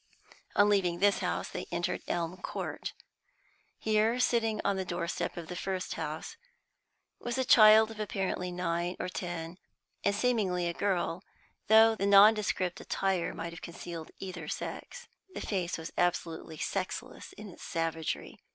On leaving this house, they entered Elm Court. Here, sitting on the doorstep of the first house, was a child of apparently nine or ten, and seemingly a girl, though the nondescript attire might have concealed either sex, and the face was absolutely sexless in its savagery.